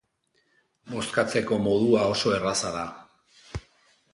Bozkatzeko modua oso erraza da.